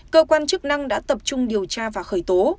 cơ quan chức năng đã tập trung điều tra và khởi tố